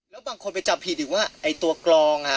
แล้วบางคนไปจำผิดอีกว่าไอ้ตัวกรอง